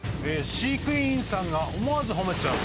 飼育員さんが思わず褒めちゃう！